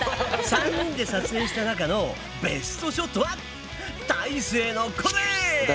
３人で撮影した中のベストショットはたいせいのこれ！